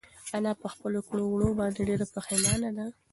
انا په خپلو کړو وړو باندې ډېره پښېمانه ده.